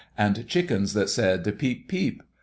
and chickens that said, peep! peep!